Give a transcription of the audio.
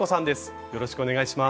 よろしくお願いします。